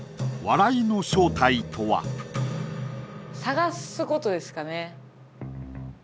探すことですかね。